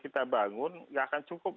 kita bangun ya akan cukup